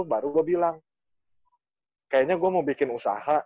baru gue bilang kayaknya gue mau bikin usaha